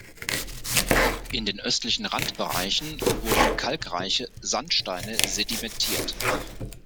In den östlichen Randbereichen wurden kalkreiche Sandsteine sedimentiert.